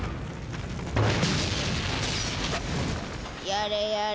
やれやれ。